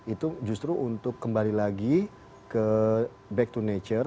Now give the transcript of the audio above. itu justru untuk kembali lagi ke back to nature